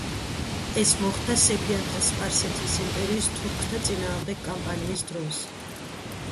ეს მოხდა სეფიანთა სპარსეთის იმპერიის თურქთა წინააღმდეგ კამპანიის დროს.